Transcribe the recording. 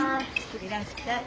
いらっしゃい。